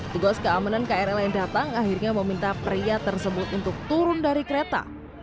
tugas keamanan krl yang datang akhirnya meminta pria tersebut untuk turun dari kereta